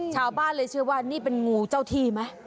ชาวบ้านเลยเชื่อว่านี่เป็นงูเจ้าที่ไหม